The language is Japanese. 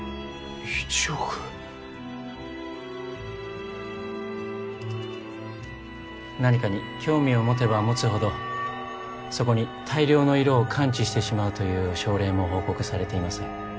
１億何かに興味を持てば持つほどそこに大量の色を感知してしまうという症例も報告されています